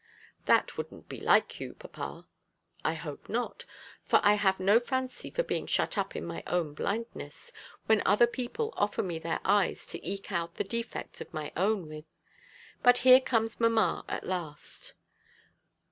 "That wouldn't be like you, papa." "I hope not; for I have no fancy for being shut up in my own blindness, when other people offer me their eyes to eke out the defects of my own with. But here comes mamma at last."